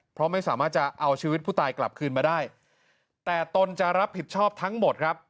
เพราะไม่สามารถจะเอาชีวิตผู้ตายกลับคืนมาได้แต่ตนจะรับผิดชอบทั้งหมดครับ